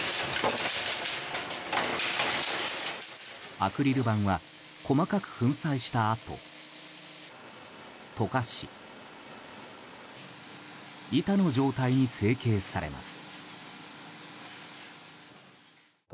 アクリル板は細かく粉砕したあと溶かし板の状態に成形されます。